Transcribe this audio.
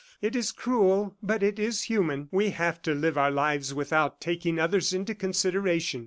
It is cruel but it is human. We have to live our lives without taking others into consideration.